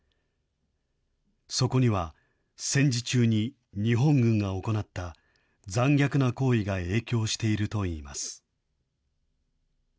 そこには、戦時中に日本軍が行った残虐な行為が影響しているといいます。